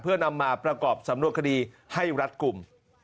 เพื่อนำมาประกอบสำนวนคดีให้รัฐกลุ่ม